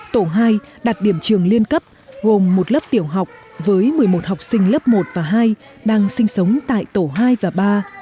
tổ hai đặt điểm trường liên cấp gồm một lớp tiểu học với một mươi một học sinh lớp một và hai đang sinh sống tại tổ hai và ba